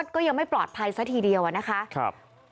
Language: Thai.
ก็ยังไม่ปลอดภัยซะทีเดียวอะนะคะ